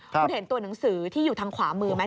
คุณเห็นตัวหนังสือที่อยู่ทางขวามือไหม